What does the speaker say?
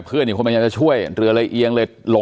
อ๋อเพื่อนมาช่วยแล้วเอียงแล้วก็ล่ม